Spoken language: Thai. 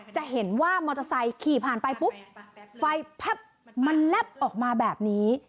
จะเห็นว่ามอเตอร์ไซค์ขี่ผ่านไปปุ๊บไฟพับมันแลบออกมาแบบนี้